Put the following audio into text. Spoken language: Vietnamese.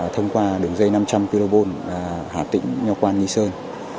thông qua đường dây năm trăm linh kb hạ tỉnh nho quang nhi sơn